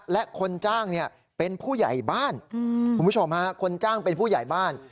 และคนจ้างเนี่ยเป็นผู้ใหญ่บ้านคุณผู้ชมฮะคนจ้างเป็นผู้ใหญ่บ้าน